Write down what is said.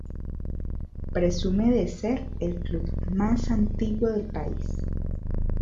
Presume de ser el club más antiguo del país.